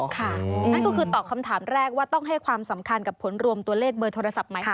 นั่นก็คือตอบคำถามแรกว่าต้องให้ความสำคัญกับผลรวมตัวเลขเบอร์โทรศัพท์ไหม